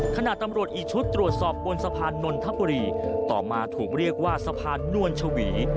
ขณะตำรวจอีกชุดตรวจสอบบนสะพานนนทบุรีต่อมาถูกเรียกว่าสะพานนวลชวี